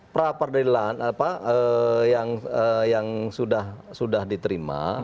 perapradilan yang sudah diterima